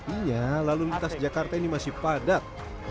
iya lalu lintas jakarta ini masih padat